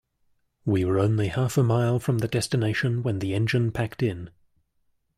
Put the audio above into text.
We were only half a mile from the destination when the engine packed in.